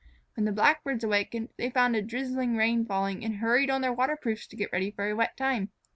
When the Blackbirds awakened, they found a drizzling rain falling, and hurried on their waterproofs to get ready for a wet time.